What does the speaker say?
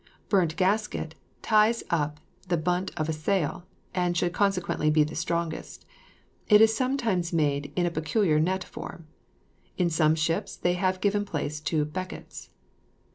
Bunt gasket ties up the bunt of the sail, and should consequently be the strongest; it is sometimes made in a peculiar net form. In some ships they have given place to beckets.